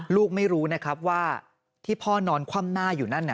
ลูกไม่รู้นะครับว่าที่พ่อนอนคว่ำหน้าอยู่นั่น